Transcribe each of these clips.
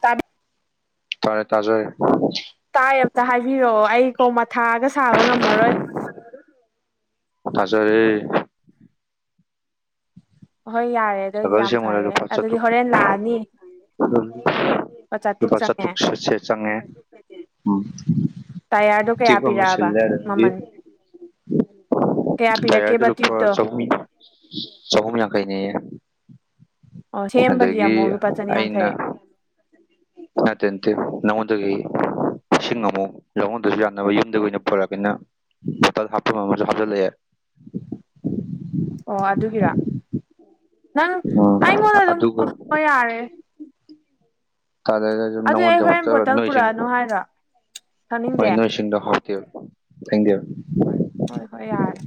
ꯇꯥ ꯇꯔ ꯇꯥꯖꯣꯏ ꯇꯥꯏ ꯑꯃꯝꯇ ꯍꯥꯏꯕꯤꯔꯛꯑꯣ ꯑꯩ ꯀꯣ ꯃꯊꯥꯒ ꯁꯥꯕ ꯉꯝꯃꯔꯣꯏ ꯇ ꯁ [unintelligible] ꯍꯣꯏ ꯌꯥꯔꯦ ꯑꯗꯨ ꯑꯣꯏꯏꯗꯤ ꯁꯥꯏꯀꯜ ꯌꯥꯝ ꯐꯔꯦ ꯑꯗꯨꯗꯤ ꯍꯣꯔꯦꯟ ꯂꯥꯛꯑꯅꯤ ꯎ ꯆꯥꯇ꯭ꯔꯨꯛ ꯂꯨꯄꯥ ꯆꯪꯉꯦ ꯆꯥꯇ꯭ꯔꯨꯛꯁꯦ ꯆꯪꯉꯦ ꯎ ꯇꯥꯌꯥꯔꯗꯣ ꯀꯌꯥ ꯇꯌꯨꯞ ꯑꯃ ꯄꯤꯔꯛꯑꯕ ꯁꯤꯜꯂ‌ꯦ ꯑꯗꯨꯗꯗꯒꯤ ꯃꯃꯜ ꯀꯌꯥ ꯇꯥꯌꯔꯗꫭ ꯄꯤꯔꯛꯀꯦꯕ ꯂꯨꯄꯥ ꯇ꯭ꯌꯨꯕꯇꯣ ꯆꯥꯍꯨꯝ ꯆꯍꯨꯝꯌꯥꯡꯈꯩꯅ‌ꯦꯌ‌ꯦ ꯑꯣ ꯁꯦꯝꯕꯒꯤ ꯑꯃꯨꯛ ꯂꯨꯄꯥ ꯆꯅꯤꯌꯥꯡꯈꯩ ꯃ ꯇꯦꯇꯦ ꯅꯗꯒꯦ ꯏꯁꯤꯡ ꯑꯃꯨꯛ ꯌꯥꯉꯣꯟꯗꯁꯨ ꯌꯥꯅꯕ ꯌꯨꯝꯗꯒꯤ ꯑꯣꯏꯅ ꯄꯨꯔꯛꯒꯅ ꯕꯣꯇꯜ ꯍꯥꯞꯐꯝ ꯑꯃꯁꯨ ꯍꯥꯞꯆꯤꯜꯂꯛꯑꯦ ꯑꯣ ꯑꯗꯨꯒꯤꯔ ꯅꯪ ꯑꯩꯉꯣꯟꯗ ꯑꯗꯨꯝ ꯑꯗꯨꯒ ꯌꯥꯔꯦ ꯀꯥꯗ ꯅꯗ ꯅꯣꯏꯁꯤꯡ ꯃꯥꯔ ꯍꯣꯏ ꯅꯣꯏ ꯏꯁꯤꯡꯗꯣ ꯍꯥꯎꯇ‌ꯦꯕ ꯊꯛꯅꯤꯡꯗ‌ꯦꯕ ꯍꯣꯏ ꯍꯣꯏ ꯍꯣꯏ ꯌꯥꯔꯦ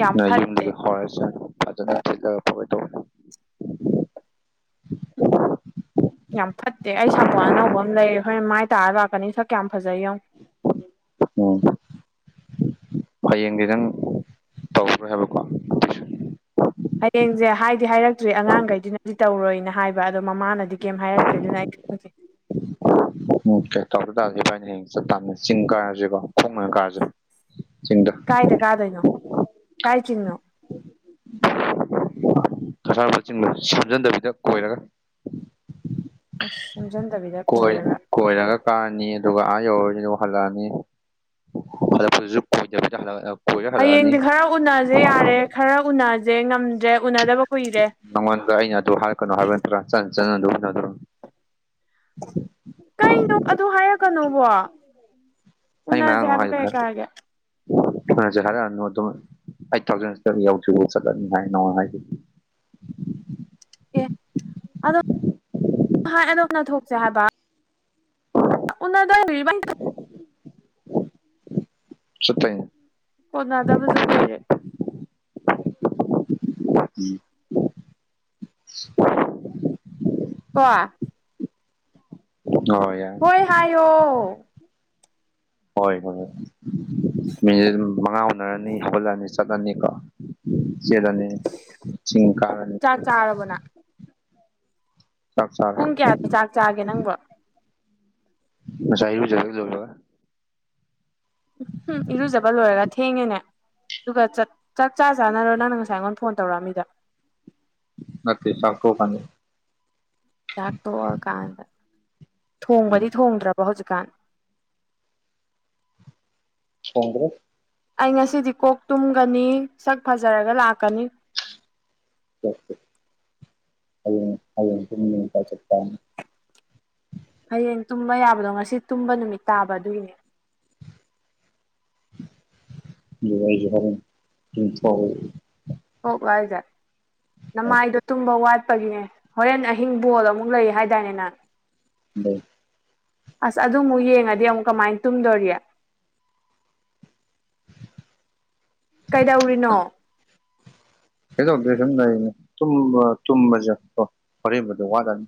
ꯌꯥꯝ ꯅꯣꯏ ꯐꯠꯇꯦ ꯌꯨꯝꯗꯒꯤ ꯍꯧꯔꯁꯅꯨ ꯐꯖꯅ ꯊꯤꯠꯂꯒ ꯐꯣꯏ ꯇꯧ ꯌꯥꯝ ꯐꯠꯇꯦ ꯑꯩ ꯁꯥꯄꯣꯟ ꯑꯅꯧꯕ ꯑꯃ ꯂꯩꯔꯦ ꯍꯣꯔꯦꯟ ꯃꯥꯏ ꯇꯥꯔ ꯂꯥꯛꯀꯅꯤ ꯁꯛ ꯀꯌꯥꯝ ꯐꯖꯩ ꯌꯦꯡꯉꯨ ꯎꯝ ꯍꯌꯦꯡꯗꯤ ꯅꯪ ꯇꯧꯈ꯭ꯔꯦ ꯍꯥꯏꯕꯀꯣ ꯍꯌꯦꯡꯖꯦ ꯍꯥꯏꯗꯤ ꯍꯥꯏꯔꯛꯇ꯭ꯔꯤ ꯑꯉꯥꯡꯒꯩꯗꯨꯅꯗꯤ ꯇꯧꯔꯣꯏꯅ ꯍꯥꯏꯕ ꯑꯗꯣ ꯃꯃꯥꯅꯗꯤ ꯀꯩꯝ ꯍꯥꯏꯔꯛꯇ꯭ꯔꯤ ꯑꯗꯨꯅ ꯑꯩ ꯍꯧꯖꯤꯛ ꯃꯣꯀꯦ ꯇꯧꯗ꯭ꯔ ꯇꯥꯔꯗꯤ ꯏꯕꯥꯏꯅꯤ ꯍꯌꯦꯡ ꯆꯠ ꯇꯥꯕꯅꯤ ꯆꯤꯡ ꯀꯥꯔꯖꯤꯀꯣ ꯈꯣꯡꯅ ꯑꯣꯏꯅ ꯀꯥꯔꯖꯦ ꯆꯤꯡꯗ ꯀꯥꯏꯗ ꯀꯥꯗꯣꯏꯅꯣ ꯀꯥꯏ ꯆꯤꯡꯅꯣ ꯀꯁꯥꯔꯃꯥꯠ ꯆꯤꯡꯗꯣ ꯁꯦꯝꯖꯟꯗꯕꯤꯗ ꯀꯣꯏꯔꯒ ꯑꯁ ꯁꯦꯝꯖꯟꯗꯕꯤꯗ ꯀꯣꯏ ꯀꯣꯏꯔꯒ ꯀꯣꯏꯔꯒ ꯀꯥꯔꯅꯤ ꯑꯗꯨꯒ ꯑꯥ ꯌꯧꯔꯅꯤ ꯑꯗꯨꯒ ꯍꯜꯂꯛꯑꯅꯤ ꯍꯂꯛꯄꯗꯨꯖꯨ ꯀꯣꯏꯗꯕꯤꯗ ꯍꯜꯂꯛ ꯍꯜꯂꯛ ꯍꯌꯦꯡꯗꯤ ꯈꯔ ꯎꯅꯁꯦ ꯌꯥꯔꯦ ꯈꯔ ꯎꯅꯖꯦ ꯉꯝꯗ꯭ꯔꯦ ꯎꯅꯗꯕ ꯀꯨꯏꯔꯦ ꯅꯪꯉꯣꯟꯗ ꯑꯩꯅ ꯑꯗꯨ ꯍꯥꯏꯔꯛꯀꯅꯣ ꯍꯥꯏꯕ ꯅꯠꯇ꯭ꯔꯥ ꯆꯟ ꯆꯟꯅ ꯑꯗꯨꯝ ꯎꯅꯗꯧꯔꯕꯅꯤ ꯀꯩꯅꯣ ꯑꯗꯨ ꯍꯥꯏꯔꯛꯀꯅꯣꯕꯣ ꯎꯟꯅꯖꯦ ꯍꯥꯏꯕ ꯀꯩ ꯀꯥꯏꯒꯦ ꯊꯦꯡꯅꯖꯦ ꯍꯥꯏꯔꯛꯑꯅꯣ ꯑꯗꯨꯝ ꯑꯩꯠ ꯊꯥꯎꯖꯟꯁ ꯇ ꯌꯧꯗ꯭ꯔꯤꯕꯧ ꯆꯠꯂꯅꯤ ꯍꯥꯏ ꯅꯪꯉꯣꯟ ꯍꯥꯏꯗꯨꯗꯤ ꯑꯣ ꯑꯗꯣ ꯍꯥꯏ ꯑꯗꯣꯝꯅ ꯊꯣꯛꯁꯦ ꯍꯥꯏꯕ ꯎꯅꯗ꯭ꯋꯥꯏꯕꯤ ꯏꯕꯥꯏꯅꯤ ꯆꯠꯇꯣꯏꯅꯤ ꯀꯣꯟꯅꯗꯕꯖꯨ ꯀꯨꯏꯔꯦ [unintelligible] ꯀꯣ ꯍꫭꯏ ꯍꫭꯏ ꯌꯥꯏ ꯍꯣꯏ ꯍꯥꯏꯌꯣ ꯍꯣꯏ ꯍꯣꯏ ꯃꯤꯖꯦꯜ ꯃꯉꯥ ꯎꯅꯔꯅꯤ ꯍꯧꯒꯠꯂꯛꯑꯅꯤ ꯆꯠꯀꯅꯤ ꯀꯣ ꯆ‌ꯦꯜꯂꯅꯤ ꯆꯤꯡ ꯀꯥꯔꯅꯤ ꯆꯥꯛ ꯆꯥꯔꯕꯣ ꯅꯪ ꯆꯥꯛ ꯆꯥꯔꯦ ꯄꯨꯡ ꯀꯌꯥꯗ ꯆꯥꯛ ꯆꯥꯒꯦ ꯅꯪꯕꯣ ꯉꯁꯥꯏ ꯏꯔꯨꯖꯔ ꯀꯩꯗꯧꯌꯦꯕ ꯎꯝ ꯍꯨꯝ ꯏꯔꯨꯖꯕ ꯂꯣꯏꯔꯒ ꯊꯦꯡꯉꯦꯅꯦ ꯑꯗꯨꯒ ꯆꯠ ꯆꯥꯛ ꯆꯥ ꯆꯥꯅꯔꯣ ꯅꯪꯅ ꯉꯁꯥꯏ ꯑꯩꯉꯣꯟꯗ ꯐꯣꯟ ꯇꯧꯔꯛꯑꯝꯃꯤꯗꯣ ꯅꯠꯇꯦ ꯆꯥꯛ ꯇꯣꯛꯑ ꯀꯥꯟꯗ ꯆꯥꯛ ꯇꯣꯛꯑ ꯀꯥꯟꯗ ꯊꯣꯡꯕꯗꯤ ꯊꯣꯡꯗ꯭ꯔꯕꯣ ꯍꯧꯖꯤꯛꯀꯥꯟ ꯊꯣꯡꯗ꯭ꯔꯦ ꯑꯩ ꯉꯁꯤꯗꯤ ꯀꯣꯛ ꯇꯨꯝꯒꯅꯤ ꯁꯛ ꯐꯖꯔꯒ ꯂꯥꯛꯀꯅꯤ ꯀꯣꯛꯇꯤꯞ ꯍꯌꯦꯡ ꯍꯌꯦꯡ ꯇꯨꯝꯃꯤ ꯉꯁꯥꯏ ꯆꯞ ꯆꯥꯅ ꯍꯌꯦꯡ ꯇꯨꯝꯕ ꯌꯥꯕꯗꯣ ꯉꯁꯤ ꯇꯨꯝꯕ ꯅꯨꯃꯤꯠ ꯇꯥꯕ ꯑꯗꯨꯒꯤꯅꯦ ꯂꯨꯔꯣ ꯑꯩꯖꯨ ꯍꯣꯔꯦꯟ ꯇꯨꯝꯊꯣꯛꯎꯏ ꯍꯣꯛꯂꯣ ꯍꯥꯏꯖꯦ ꯅꯃꯥꯏꯗꯣ ꯇꯨꯝꯕ ꯋꯥꯠꯄꯒꯤꯅꯦ ꯍꯣꯔꯦꯟ ꯑꯍꯤꯡ ꯕꯣꯜ ꯑꯃꯨꯛ ꯂꯩ ꯍꯥꯏꯗꯥꯏꯅꯦ ꯅꯪ ꯂꯩ ꯑꯁ ꯑꯗꯨ ꯑꯃꯨꯛ ꯌꯦꯡꯉꯗꯤ ꯑꯃꯨꯛ ꯀꯃꯥꯏ ꯇꯨꯝꯗꯣꯔꯤ ꯀꯩꯗꯧꯔꯤꯅꯣ ꯀꯩꯁꯨ ꯇꯧꯗꯦ ꯁꯨꯝ ꯂꯩꯔꯤꯅꯦ ꯇꯨꯝꯕ ꯇꯨꯝꯕꯖꯦ ꯀꯣ ꯍꯣꯔꯦꯟꯕꯨꯗꯤ ꯋꯥꯠꯂꯅꯤ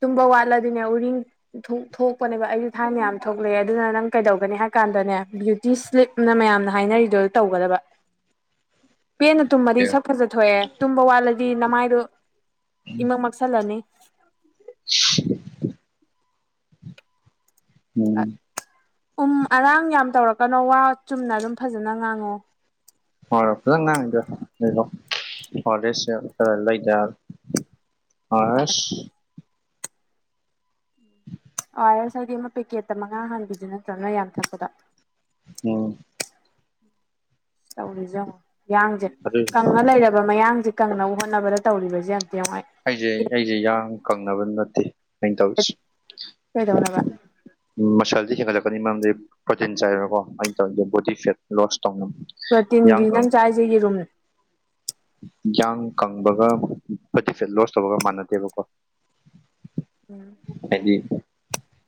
ꯇꯨꯝꯕ ꯋꯥꯜꯂꯗꯤꯅꯦ ꯎꯔꯤꯡ ꯊꯨꯛ ꯊꯣꯛꯄꯅꯦꯕ ꯑꯩꯖꯨ ꯊꯥꯏꯅ ꯌꯥꯝ ꯊꯣꯛꯂꯛꯑꯦ ꯑꯗꯨꯅ ꯅꯪ ꯀꯩꯗꯧꯒꯅꯤ ꯍꯥꯏ ꯀꯥꯟꯗꯅꯦ ꯑꯗꯨꯅ ꯃꯌꯥꯝꯅ ꯍꯥꯏꯅꯔꯤꯗꯣ ꯇꯧꯒꯗꯕ ꯄꯦꯟꯅ ꯇꯨꯝꯃꯗꯤ ꯁꯛ ꯐꯖ ꯊꯣꯛꯑꯦ ꯇꯨꯝꯕ ꯋꯥꯠꯂꯒ ꯑꯗꯨꯗꯤ ꯅꯃꯥꯏꯗꯣ ꯏꯃꯪ ꯃꯛꯁꯜꯂꯅꯤ ꯎꯝ ꯎꯝ ꯑꯔꯥꯡ ꯌꯥꯝ ꯇꯧꯔꯛꯀꯅꯣ ꯋꯥ ꯆꯨꯝꯅ ꯑꯗꯨꯝ ꯐꯖꯅ ꯉꯥꯡꯉꯣ ꯍ ꯐꯖ ꯉꯥꯡꯗꯣ ꯐꯔꯦꯁ ꯈꯔ ꯂꯩꯗ ꯌꯥꯔꯔꫭꯏ ꯑꯣ ꯑꯁ ꯑꯥꯏꯔꯁ ꯍꯥꯏꯗꯤ ꯑꯃ ꯄꯦꯀꯦꯠꯇ ꯃꯉꯥ ꯍꯥꯟꯕꯕꯤꯗꯨ ꯅꯠꯇ꯭ꯔꯅ ꯌꯥꯝ ꯊꯛꯄꯗ ꯎꯝ ꯇꯧꯔꯤꯖꯤ ꯌꯦꯡꯉꯣ ꯌꯥꯡꯁꯦ ꯑꯗꯨ ꯀꯪꯉ ꯂꯩꯔꯕ ꯃꯌꯥꯡꯁꯦ ꯀꯪꯅꯕ ꯍꯣꯠꯅꯕꯗ ꯇꯧꯔꯤꯕꯁꯦ ꯑꯝꯇ ꯌꯦꯡꯉꯣ ꯑꯩꯁꯦ ꯑꯩꯁꯦ ꯌꯥꯡ ꯀꯪꯅꯕ ꯅꯠꯇꯦ ꯑꯩꯅ ꯇꯧꯔꯤꯁꯦ ꯀꯩꯗꯧꯅꯕ ꯃꯁꯜꯗꯤ ꯍꯦꯟꯒꯠꯂꯛꯀꯅꯤ ꯃꯔꯝꯗꯤ ꯄ꯭ꯔꯣꯇꯤꯟ ꯆꯥꯏꯕꯀꯣ ꯑ ꯇꯧꯔꯦ ꯕꯣꯗꯤ ꯐꯦꯠ ꯂꯣꯁ ꯇꯧꯅ ꯄ꯭ꯔꯣꯇꯤꯟꯒꯤ ꯅꯪ ꯆꯥꯔꯤꯁꯦ ꯌꯦꯔꯨꯝ ꯌꯥꯡ ꯀꯪꯕꯒ ꯂꯣꯁ ꯇꯧꯕꯒ ꯃꯥꯟꯅꯗꯦꯕꯀꯣ ꯎꯝ ꯍꯥꯏꯗꯤ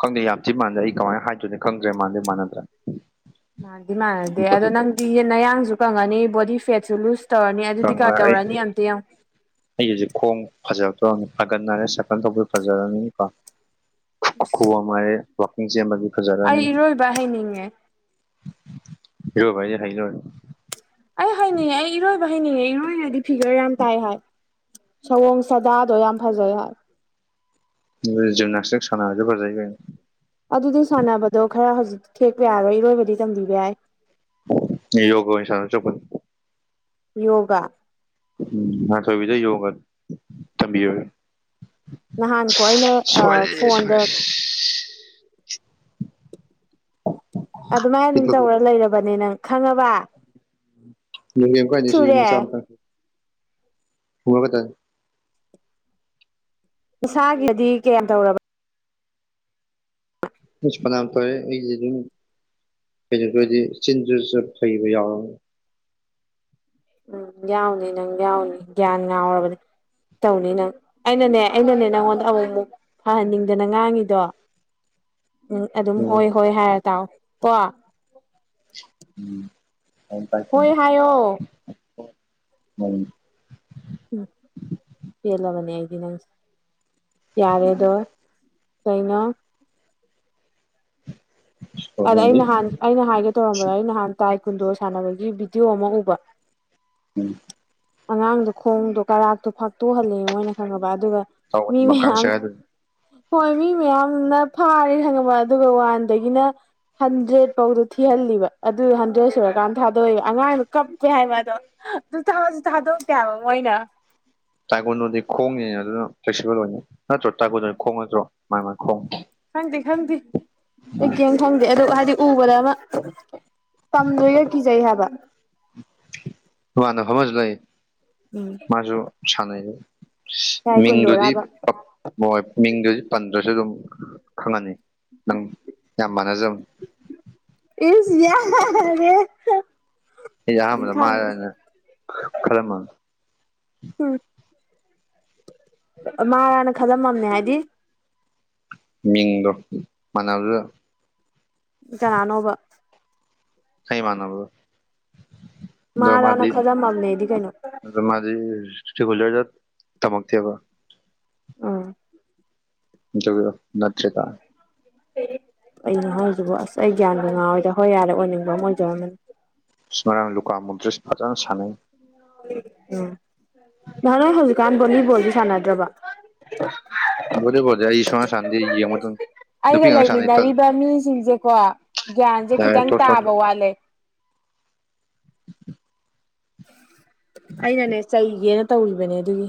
ꯈꯪꯗꯦ ꯌꯥꯝ ꯊꯤ ꯃꯥꯟꯗꯦ ꯑꯩ ꯀꯃꯥꯏꯅ ꯍꯥꯏꯗꯣꯏꯅꯤ ꯈꯪꯗ꯭ꯔꯦ ꯃꯥꯟꯗꯤ ꯃꯥꯟꯅꯗ꯭ꯔꯦ ꯃꯥꯥꯟꯗꯤ ꯃꯥꯟꯅꯗꯦ ꯑꯗꯣ ꯅꯪꯗꯤ ꯅꯌꯥꯡꯁꯨ ꯀꯪꯉꯅꯤ ꯕꯣꯗꯤ ꯐꯦꯠꯁꯨ ꯂꯨꯁ ꯇꯧꯔꯅꯤ ꯑꯗꯨꯗꯤ ꯀꯥ ꯑꯩ ꯇꯧꯔꯅꯤ ꯑꯝꯇ ꯌꯦꯡꯉꯨ ꯑꯩ ꯍꯧꯖꯤꯛ ꯈꯣꯡ ꯐꯖꯔꯛꯇꯣꯔꯝꯅꯤ ꯐꯥꯏꯒꯟ ꯍꯥꯏꯔꯦ ꯁꯀꯜ ꯇꯧꯕ ꯐꯖꯔꯅꯤꯀꯣ ꯎ ꯅꯨꯡꯉꯥꯏꯔꯦ ꯋꯥꯀꯤꯡ ꯆꯦꯟꯕꯕꯤ ꯐꯖꯔꯥꯅꯤ ꯏꯔꯣꯏꯕ ꯍꯩꯅꯤꯡꯉꯦ ꯍꯔꯣꯥꯏꯅꯦ ꯍꯥꯏꯅ ꯑꯩ ꯍꯩꯅꯤꯡꯉꯦ ꯑꯩ ꯏꯔꯣꯏꯕ ꯍꯩꯅꯤꯡꯉꯦ ꯏꯔꯣꯏꯔꯗꯤ ꯐꯤꯒꯔ ꯌꯥꯝ ꯇꯥꯏ ꯍꯥꯏ ꯁꯑꯣꯡ ꯁꯥꯗꯥꯗꯣ ꯌꯥꯝ ꯐꯖꯩ ꯍꯥꯏ ꯑꯗꯨꯗꯤ ꯖꯤꯝꯅꯥꯁꯇꯤꯛ ꯁꯥꯟꯅꯔꯁꯨ ꯐꯖꯩ ꯀꯩꯅꯣ ꯑꯗꯨꯗꯤ ꯁꯥꯟꯅꯕꯗꯣ ꯈꯔ ꯍꯧꯖꯤꯛ ꯊꯦꯛꯄ ꯌꯥꯔꯣꯏ ꯏꯔꯣꯏꯕꯗꯤ ꯇꯝꯕꯤꯕ ꯌꯥꯏ 'unintelligible' ꯑꯣꯏꯅ ꯁꯥꯟꯅꯧ ꯑꯗꯨꯏ ꯁꯔꯨꯛꯄꯨꯗꯤ ꯌꯣꯒꯥ ꯎꯝ ꯉꯥꯟꯊꯣꯏꯕꯤꯗ ꯌꯣꯒ ꯊꯝꯕꯤꯌꯣꯌꯣ ꯅꯍꯥꯟ ꯀꯣ ꯑꯩꯅ ꯁꯣꯏꯔꯦ ꯐꯣꯟꯗ ꯁꯣꯏꯔꯦ ꯑꯗꯨꯃꯥꯏ ꯑꯗꯨꯝ ꯇꯧꯔ ꯂꯩꯔꯕꯅꯦ ꯅꯪ ꯈꯪꯉꯕ ꯌꯦꯡꯕꯤꯌꯨ ꯀꯥꯏꯗꯦ ꯁꯤꯁꯨ ꯁꯨꯔꯦ ꯃꯆꯥ ꯑꯝꯇꯪ ꯍꯕꯇꯥ ꯏꯁꯥꯒꯤꯗꯗꯤ ꯀꯌꯥꯝ ꯇꯧꯔꯕ ꯏꯁ ꯐꯅꯥꯝ ꯐꯔꯦ ꯑꯩꯗꯤ ꯑꯗꯨꯝ ꯀꯩꯩꯅꯗꯔꯗꯤ ꯆꯤꯟꯖꯁꯨ ꯐꯩꯕ ꯌꯥꯎꯔꯝꯃꯦ ꯎꯝ ꯌꯥꯎꯅꯤ ꯅꯪ ꯌꯥꯎꯅꯤ ꯒ꯭ꯌꯥꯟ ꯉꯥꯎꯔꯕꯅꯦ ꯇꯧꯅꯤ ꯅꯪ ꯑꯩꯅꯅꯦ ꯑꯩꯅꯅꯦ ꯅꯪꯉꯣꯟꯗ ꯑꯃꯨꯛ ꯑꯃꯨꯛ ꯐꯍꯟꯅꯤꯡꯗꯅ ꯉꯥꯡꯉꯤꯗꯣ ꯎꯝ ꯑꯗꯨꯝ ꯍꯣꯏ ꯍꯣꯏ ꯍꯥꯏꯔ ꯇꯥꯎ ꯀꯣ ꯎꯝ ꯍ ꯇꯥꯏꯇ ꯍꯣꯏ ꯍꯥꯏꯌꯣ ꯎꯝ ꯄꯦꯜꯂꯕꯅꯦ ꯑꯩꯗꯤ ꯅꯪꯁꯦ ꯌꯥꯔꯦꯗꯣ ꯀꯩꯅꯣ ꯑꯗ ꯑꯩ ꯇꯧꯕꯅꯤ ꯅꯍꯥꯟ ꯑꯩꯅ ꯍꯥꯏꯒꯦ ꯇꯧꯔꯝꯕꯗ ꯑꯩ ꯅꯍꯥꯟ ꯇꯥꯏ ꯀꯨꯟꯗꯣ ꯁꯥꯟꯅꯕꯒꯤ ꯚꯤꯗꯤꯑꯣ ꯑꯃ ꯎꯕ ꯎꯝ ꯑꯉꯥꯡꯗꯣ ꯈꯣꯡꯗꯣ ꯀꯔꯥꯛꯗꯣ ꯐꯥꯛꯇꯣꯛꯍꯜꯂꯦ ꯃꯣꯏꯅ ꯈꯪꯉꯕ ꯑꯗꯨꯒ ꯃꯤ ꯃꯀꯥꯡ ꯃꯌꯥꯝ ꯁꯦꯒꯥꯏꯗꯨ ꯍꯣꯏ ꯃꯤ ꯃꯌꯥꯝꯅ ꯐꯥꯔꯦ ꯈꯪꯉꯕ ꯑꯗꯨꯒ ꯋꯥꯟꯗꯒꯤꯅ ꯍꯟꯗ꯭ꯔꯦꯠ ꯐꯧꯗꯣ ꯊꯤꯍꯜꯂꯤꯕ ꯑꯗꯨ ꯍꯟꯗ꯭ꯔꯦꯠ ꯁꯨꯔꯀꯥꯟꯗ ꯊꯥꯗꯣꯛꯑꯦꯕ ꯑꯉꯥꯡꯗꯨ ꯀꯞꯄꯦ ꯍꯥꯏꯕ ꯑꯗꯣ ꯊꯁꯨ ꯊꯥꯗꯣꯛꯇꯦ ꯍꯥꯢꯕ ꯃꯣꯏꯅ ꯇꯥꯏꯒꯣꯟꯗꯨꯗꯤ ꯈꯣꯡꯒꯤꯅꯤꯅ ꯑꯗꯨꯅ ꯐ꯭ꯂꯦꯛꯁꯤꯕꯜ ꯑꯣꯏꯅꯤ ꯅꯠꯇ꯭ꯔꯣ ꯇꯥꯏꯒꯣꯟꯗꯗꯤ ꯈꯣꯡ ꯅꯠꯇ꯭ꯔꯣ ꯃꯥꯅꯤ ꯃꯥꯅꯤ ꯈꯣꯡ ꯈꯪꯗꯦ ꯈꯪꯗꯦ ꯑꯩ ꯈꯪꯗꯦ ꯑꯗꯨ ꯍꯥꯏꯗꯤ ꯎꯕꯗ ꯑꯃ ꯇꯝꯗꯣꯏꯒ ꯀꯤꯖꯩ ꯍꯥꯏꯕ ꯇꯣꯉꯥꯟꯅ ꯐꯝꯃꯁꯨ ꯂꯩ ꯎꯝ ꯃꯥꯁꯨ ꯁꯥꯟꯅꯩꯌꯦ ꯇꯥꯏ ꯃꯤꯡꯗꯨꯗꯤ ꯀꯨꯟꯗꯣꯔꯥꯕ ꯃꯣꯏ ꯃꯤꯡꯗ ꯄꯟꯗ꯭ꯔꯁꯨ ꯑꯗꯨꯝ ꯈꯪꯉꯅꯤ ꯅꯪ ꯌꯥꯝ ꯃꯥꯟꯅꯖꯕ ꯏ ꯌꯥ ꯔꯦꯍꯦ ꯑꯩꯁꯦ ꯑꯍꯥꯟꯕꯗ ꯃꯥꯔꯅ ꯈꯔꯃꯅꯤ ꯎꯝ ꯃꯥꯔꯥꯅ ꯈꯗꯝꯃꯝꯃꯦ ꯍꯥꯏꯗꯤ ꯃꯤꯡꯗꯣ ꯃꯥꯟꯅꯕꯗꯨꯗ ꯀꯅꯥꯅꯣꯕ ꯀꯩ ꯏꯃꯥꯟꯅꯕꯒ ꯃꯥꯔꯥꯅ ꯈꯜꯂꯝꯃꯝꯅꯦ ꯗꯤ ꯀꯩꯅꯣ ꯑꯗꯣ ꯃꯥꯗꯤ 'unintelligible' ꯇꯃꯛꯀꯇꯦꯕ ꯎꯝ 'unintelligible' ꯀꯩꯅꯣ ꯍꯧꯣꯏꯖꯤꯕꯨ ꯑꯁ ꯑꯩ ꯒ꯭ꯌꯥꯟ ꯉꯥꯔꯣꯏꯗ ꯍꯣꯏ ꯌꯥꯔꯦ ꯑꯣꯏꯅꯤꯡꯕ ꯑꯃ ꯑꯣꯏꯖꯔꯝꯝꯕꯅꯤ ꯉꯔꯥꯡꯁꯨ ꯂꯨꯀꯥ ꯃꯣꯗ꯭ꯔꯤꯁ ꯐꯖꯅ ꯁꯅꯩ ꯎꯝ ꯗꯥ 'unintelligible' ꯍꯧꯖꯤꯛꯀꯥꯟ ꯚꯣꯂꯤꯕꯣꯜꯗꯤ ꯁꯥꯟꯅꯗ꯭ꯔꯕ ꯕꯣꯂꯤꯕꯣꯜ ꯗꯤ ꯑꯩ ꯁꯨꯡꯁꯥꯟ ꯁꯥꯟꯅꯗꯦ ꯌꯦꯡꯕ ꯇꯪꯅꯤ ꯑꯩꯒ ꯂꯩꯃꯤꯟꯅꯔꯤꯕ ꯃꯤꯁꯤꯡꯁꯦꯀꯣ ꯒ꯭ꯌꯥꯟꯁꯦ ꯌꯥꯔꯦ ꯈꯤꯇꯪ ꯇꯣꯛ ꯇꯣꯛ ꯇꯥꯕ ꯋꯥꯠꯂꯦ 'unintelligible' ꯑꯩꯅꯅꯦ ꯆꯩꯒꯦꯅ ꯇꯧꯔꯤꯕꯅꯦ ꯑꯗꯨꯒꯤ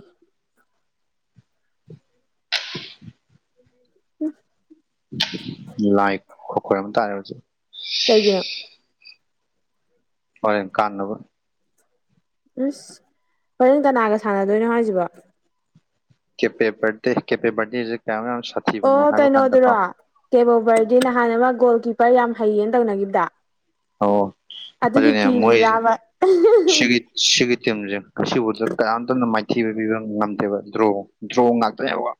ꯍꯥꯏꯗꯤ ꯎꯝ ꯂꯥꯏ ꯈꯣ ꯈꯣꯏꯔ ꯑꯃ ꯇꯥꯔꯦ ꯍꯧꯖꯤ ꯀꯩꯒꯤꯅꯣ ꯍꯣꯏ ꯀꯥꯟꯅꯒꯔ ꯏꯁꯩ ꯍꯣꯔꯦꯟ ꯀꯅꯥꯒ ꯁꯥꯟꯅꯗꯣꯏꯅꯣ ꯍꯥꯏꯁꯤꯕꯣ ꯀꯦꯄꯦ ꯚꯔꯗꯦ ꯀꯦꯄꯦ ꯚꯔꯗꯦ ꯁꯦ ꯀꯌꯥꯃꯨꯛ ꯌꯥꯝꯅ ꯑꯣ ꯀꯩꯅꯣꯗꯨꯔꯣ ꯀꯦꯕꯣꯕꯔꯗꯤ ꯅꯍꯥꯟ ꯑꯃ ꯒꯣꯜ ꯀꯤꯞꯄꯔ ꯌꯥꯝ ꯍꯩꯌꯦꯅ ꯇꯧꯅꯈꯤꯕꯗ ꯑꯣ ꯑꯗꯨꯒꯤ ꯑꯗꯨꯅꯦ ꯀꯤꯔꯤ ꯃꯣꯏꯁꯦ ꯔꯥꯕ ꯁꯤꯒꯤ ꯁꯤꯒꯤ ꯇꯤꯝꯁꯦ ꯑꯁꯤꯕꯨꯗ ꯀꯅꯥꯝꯇꯝꯅ ꯃꯥꯏꯊꯤꯕ ꯄꯤꯕ ꯉꯝꯗꯦꯕ ꯗ꯭ꯔꯣ ꯗ꯭ꯔꯣ ꯉꯥꯛꯇ ꯌꯥꯕ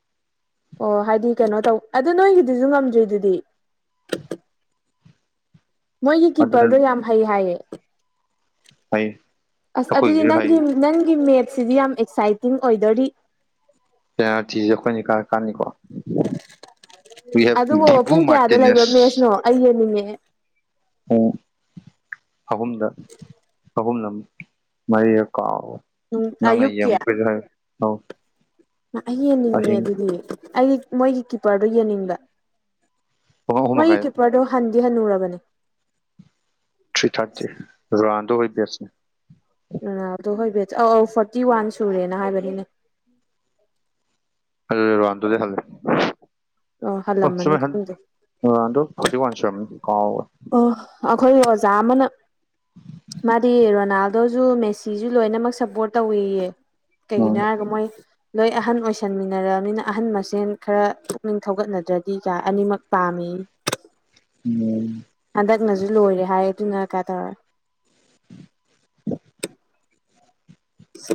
ꯑꯣ ꯍꯥꯏꯗꯤ ꯀꯩꯅꯣ ꯇꯧ ꯑꯗ ꯅꯣꯏꯒꯤꯗꯨꯁꯨ ꯉꯝꯗ꯭ꯔꯤꯗꯨꯗꯤ ꯃꯣꯏꯒꯤ ꯑꯗꯨꯅ ꯀꯤꯄꯔꯗꯣ ꯌꯥꯝ ꯍꯩ ꯍꯥꯏꯌꯦ ꯍꯩ ꯑꯁ ꯑꯗꯨꯗꯤ ꯅꯪꯒꯤ ꯅꯪꯒꯤ ꯃꯦꯠꯁꯁꯤꯗꯤ ꯌꯥꯝ ꯑꯦꯛꯁꯥꯏꯇꯤꯡ ꯑꯣꯏꯗꯣꯔꯤ ꯄꯦꯅꯥꯜꯇꯤꯁꯦ ꯑꯩꯈꯣꯏꯅ ꯏ ꯀꯥ ꯀꯥꯟꯅꯤꯀꯣ ꯋꯔ ꯍꯦꯚ ꯗꯤꯚꯨ ꯃꯥꯔꯇꯤꯅꯦꯁ ꯑꯌꯌꯦꯅꯤꯡꯉꯦ ꯎꯝ ꯑꯍꯨꯝꯔ ꯑꯍꯨꯝꯔ ꯃꯔꯤꯔ ꯀꯥꯎ ꯅꯪꯅ ꯑꯌꯨꯛꯀꯤ ꯌꯦꯡꯉꯛꯄꯩꯔ ꯑꯎ ꯑꯩ ꯌꯦꯡꯅꯤꯡꯉꯦ ꯑꯗꯨꯗꯤ ꯑꯩ ꯃꯣꯏꯒꯤ ꯀꯤꯞꯄꯔꯗꯨꯣ ꯌꯦꯡꯅꯤꯡꯕ ꯄꯨꯡ ꯑꯍꯨꯝ ꯃꯣꯏꯒꯤ ꯃꯈꯥꯏ ꯀꯤꯄꯔꯗꯣ ꯍꯟꯗꯤ ꯍꯟꯅꯨꯔꯕꯅꯦ ꯊ꯭ꯔꯤ ꯊꯥꯔꯇꯤ ꯔꯣꯅꯥꯟꯗꯣ ꯍꯣꯏ ꯕꯦꯁꯅꯦ ꯔꯣꯅꯥꯟꯗꯣ ꯍꯣꯏ ꯕꯦꯠ ꯑꯧ ꯑꯧ ꯐꯣꯔꯇꯤ ꯋꯥꯟ ꯁꯨꯔꯦꯅ ꯍꯥꯏꯕꯅꯤꯅꯦ ꯑꯗꯨꯗꯤ ꯔꯣꯅꯥꯟꯗꯣꯗ ꯒꯤ ꯍꯟꯂꯦ ꯑꯣ ꯍꯜꯂꯝꯃꯅꯤ ꯈꯪꯗꯦ ꯔꯣꯅꯥꯟꯗꯣ ꯐꯣꯔꯇꯤ ꯋꯥꯟꯁꯨ ꯀꯧꯏꯔꯦ ꯑꯣ ꯑꯩꯈꯣꯏ ꯑꯣꯖꯥ ꯑꯃꯅ ꯃꯥꯗꯤ ꯔꯣꯅꯥꯜꯗꯣꯁꯨ ꯃꯦꯁꯤꯁꯨ ꯂꯣꯏꯅꯃꯛ ꯁꯞꯄꯣꯔꯠ ꯇꯧꯋꯦꯌꯦ ꯎꯝ ꯀꯩꯒꯤꯅꯣꯒ ꯃꯣꯏ ꯂꯣꯏ ꯑꯍꯟ ꯑꯣꯏꯁꯟꯃꯤꯟꯅꯔꯅꯤꯅ ꯑꯍꯟ ꯃꯁꯦꯟ ꯈꯔ ꯄꯨꯛꯅꯤꯡ ꯊꯧꯒꯠꯅꯗ꯭ꯔꯗꯤ ꯀꯥꯏ ꯑꯅꯤꯃꯛ ꯄꯥꯝꯃꯤ ꯎꯝ ꯍꯟꯗꯛꯅꯁꯨ ꯂꯣꯏꯔꯦ ꯍꯥꯏ ꯑꯗꯨꯅ ꯀꯥꯏ ꯇꯧꯔꯒ [unintelligible]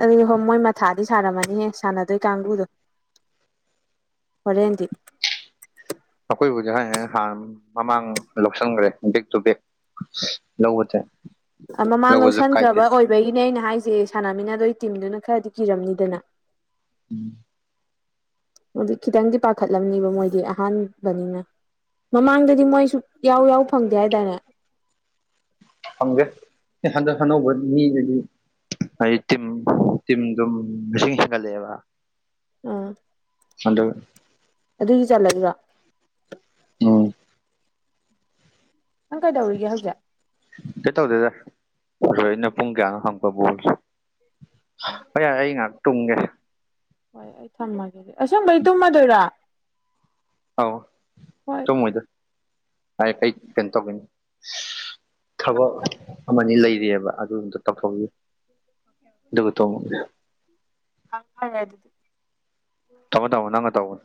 ꯑꯗꯨꯗꯤ ꯍꯣꯏ ꯃꯣꯏ ꯃꯊꯥꯗꯤ ꯁꯥꯔꯝꯃꯅꯤꯍꯦ ꯁꯥꯟꯅꯗꯣꯏ ꯀꯥꯡꯕꯨꯗꯣ ꯍꯣꯔꯦꯟꯗꯤ ꯑꯩꯈꯣꯏꯕꯨꯗꯤ ꯍꯥꯏ ꯍꯥꯏꯅ ꯍꯥꯟ ꯃꯃꯥꯡ ꯂꯧꯁꯟꯈꯒ꯭ꯔꯦ ꯕꯦꯛ ꯇꯨ ꯕꯦꯛ ꯂꯧꯕꯆꯦ ꯃꯃꯥꯡ ꯂꯧꯁꯟꯈ꯭ꯔꯕ ꯑꯣꯏꯕꯒꯤꯅꯦ ꯑꯩꯅ ꯍꯥꯏꯁꯦ ꯁꯥꯟꯅꯃꯤꯟꯅꯗꯣꯏ ꯇꯤꯝꯗꯨꯅ ꯈꯔꯗꯤ ꯀꯤꯔꯝꯅꯤꯗꯅ [inaudible] ꯑꯗꯨ ꯈꯤꯇꯪꯗꯤ ꯄꯥꯈꯠꯂꯝꯅꯤꯕ ꯃꯣꯏꯗꯤ ꯑꯍꯥꯟꯕꯅꯤꯅ ꯃꯃꯥꯡꯗꯗꯤ ꯃꯣꯏꯁꯨ ꯌꯥꯎ ꯌꯥꯎ ꯐꯪꯗꯦ ꯍꯥꯏꯗꯥꯏꯅꯦ ꯐꯪꯗꯦ ꯍꯟꯗꯛ ꯑꯅꯧꯕ ꯃꯤꯗꯨꯗꯤ ꯑꯩ ꯇꯝ ꯇꯝꯗꯨ ꯃꯤꯁꯤꯡ ꯍꯦꯟꯒꯠꯂꯛꯑꯦꯕ ꯎꯝ ꯍꯟꯗꯛ ꯑꯗꯨꯏꯁꯨ ꯆꯜꯂꯗ꯭ꯔꯣ ꯎꯝ ꯅꯪ ꯀꯩꯗꯧꯔꯤꯒꯦ ꯍꯧꯖꯤꯛ ꯀꯩꯝ ꯇꯧꯗꯦꯗ ꯔꯣꯍꯤꯠꯅ ꯄꯨꯡ ꯀꯌꯥꯅꯣ ꯍꯪꯕ ꯕꯣꯜꯒꯤ ꯍꯣꯏ ꯌꯥꯏ ꯑꯩ ꯉꯥꯏꯍꯥꯛ ꯇꯨꯝꯒꯦ ꯊꯝꯃꯒꯦꯗꯤ ꯑꯁ‌ꯦꯕꯩ ꯇꯨꯝꯃꯗꯣꯏꯔꯥ ꯑꯥꯎ ꯍꯣꯏ ꯇꯨꯝꯃꯣꯏꯗ ꯀꯩ ꯀꯩꯅꯣ ꯇꯧꯕꯩꯅꯤ ꯊꯕꯛ ꯑꯃꯅꯤ ꯂꯩꯔꯤꯑꯕ ꯑꯗꯨꯝꯇ ꯇꯧꯊꯣꯛꯈꯤꯒꯦ ꯑꯗꯨꯒ ꯇꯨꯝꯃꯣ [unintelligible] ꯇꯝꯃꯣ ꯊꯝꯃꯣ ꯅꯪꯅ ꯇꯧꯕ